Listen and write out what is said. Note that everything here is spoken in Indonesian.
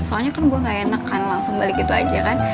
soalnya kan gue gak enak kan langsung balik gitu aja kan